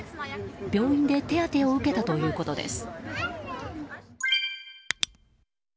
病院で手当てを受けたということです。